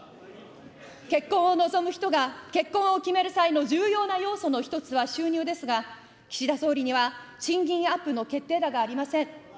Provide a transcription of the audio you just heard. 結婚を望む人が結婚を決める際の重要な要素の一つは収入ですが、岸田総理には賃金アップの決定打がありません。